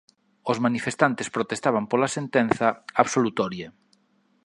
Os manifestantes protestaban pola sentenza absolutoria.